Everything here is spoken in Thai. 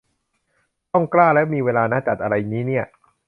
ต้องกล้าและมีเวลานะ จัดอะไรงี้เนี่ย